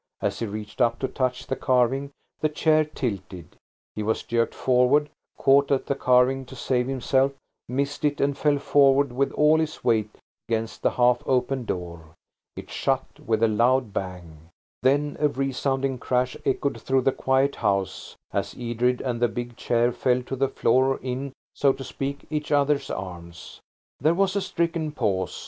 As he reached up to touch the carving, the chair tilted, he was jerked forward, caught at the carving to save himself, missed it, and fell forward with all his weight against the half open door. It shut with a loud bang. Then a resounding crash echoed through the quiet house as Edred and the big chair fell to the floor in, so to speak, each other's arms. There was a stricken pause.